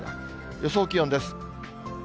予想気温です。